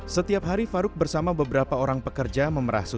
setiap hari faruk bersama beberapa orang pekerja memerah susu